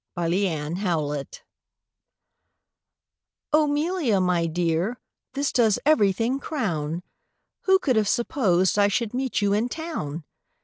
THE RUINED MAID "O 'Melia, my dear, this does everything crown! Who could have supposed I should meet you in Town?